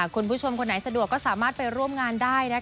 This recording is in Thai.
คุณผู้ชมคนไหนสะดวกก็สามารถไปร่วมงานได้